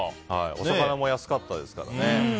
お魚も安かったですからね。